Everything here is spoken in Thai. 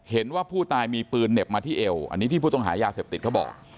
เห็นว่าผู้ตายมีปืนเหน็บมาที่เอวอันนี้ที่ผู้ต้องหายาเสพติดเขาบอก